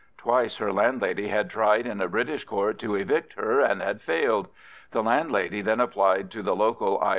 Twice her landlady had tried in a British court to evict her, and had failed. The landlady then applied to the local I.